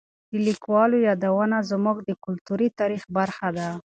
د لیکوالو یادونه زموږ د کلتوري تاریخ برخه ده.